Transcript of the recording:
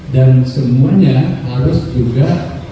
dan semuanya harus juga